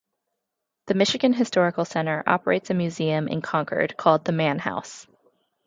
The Michigan Historical Center operates a museum in Concord called the Mann House.